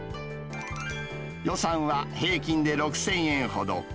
予算は平均で６０００円ほど。